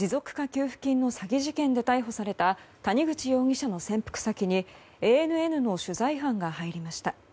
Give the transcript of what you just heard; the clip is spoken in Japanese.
給付金の詐欺事件で逮捕された谷口容疑者の潜伏先にＡＮＮの取材班が入りました。